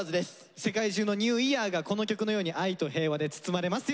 世界中のニューイヤーがこの曲のように愛と平和で包まれますように。